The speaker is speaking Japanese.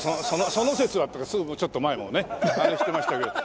「その節は」っていうかすぐちょっと前もねあれしてましたけど。